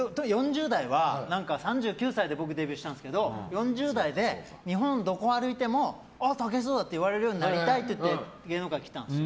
僕、３９歳でデビューしたんですけど４０代で日本どこ歩いてもあ、武井壮だって言われるようになりたいって芸能界に入ったんです。